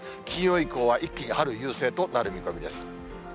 金曜以降は一気に春優勢となる見込みです。